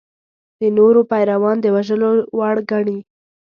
د نورو پیروان د وژلو وړ ګڼي.